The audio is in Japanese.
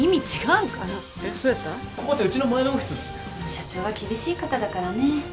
社長は厳しい方だからね。